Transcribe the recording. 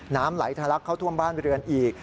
น้ำไหลทะลักเข้าท่วมบ้านเรือนอีก